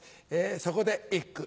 そこで一句。